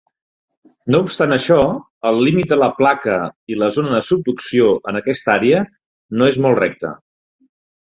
No obstant això, el límit de la placa i la zona de subducció en aquesta àrea no és molt recta.